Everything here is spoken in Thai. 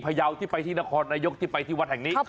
ยาวที่ไปที่นครนายกที่ไปที่วัดแห่งนี้